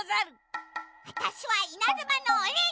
わたしはいなずまのおリン！